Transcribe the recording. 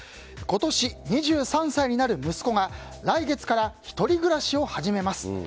今年、２３歳になる息子が来月から１人暮らしを始めます。